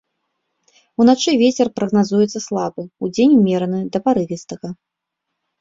Уначы вецер прагназуецца слабы, удзень умераны да парывістага.